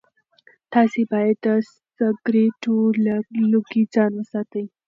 تاسي باید د سګرټو له لوګي ځان وساتئ.